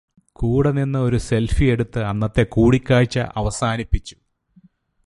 കൂടെനിന്ന് ഒരു സെൽഫിയെടുത്ത് അന്നത്തെ കൂടിക്കാഴ്ച അവസാനിപ്പിച്ചു.